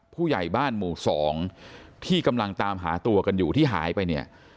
ผู้ใหญ่บ้านหมู่สองที่กำลังตามหาตัวกันอยู่ที่หายไปเนี่ย